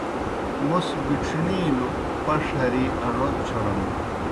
موْس بِڇھݨِیلَوْ پݜ ہرِی اڙوْ چھورَم۔